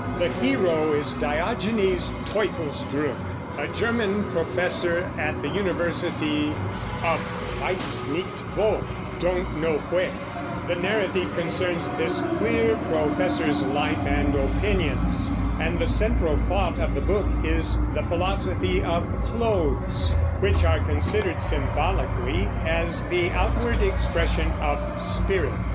The hero is Diogenes Teufelsdroeckh, a German professor at the University of Weissnichtwo (don't know where); the narrative concerns this queer professor's life and opinions; and the central thought of the book is the philosophy of clothes, which are considered symbolically as the outward expression of spirit.